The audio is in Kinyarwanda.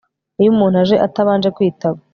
iyo umuntu aje atabanje kwitaba